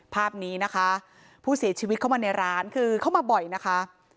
ภาพนี้นะคะผู้เสียชีวิตเข้ามาในร้านคือเข้ามาบ่อยนะคะ